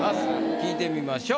聞いてみましょう。